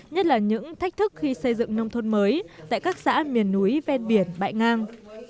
nhất là những thách thức khi xây dựng nông thôn mới tại các xã miền núi ven biển bãi ngang